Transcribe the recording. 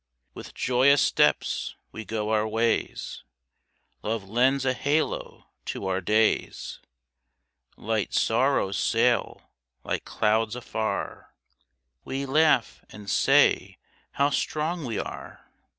With joyous steps we go our ways, Love lends a halo to our days; Light sorrows sail like clouds afar, We laugh, and say how strong we are.